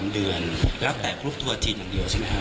๓เดือนแล้วแต่คลุกตัวจีนอย่างเดียวใช่ไหมครับ